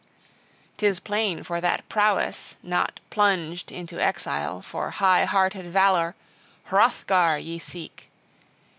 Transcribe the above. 'Tis plain that for prowess, not plunged into exile, for high hearted valor, Hrothgar ye seek!"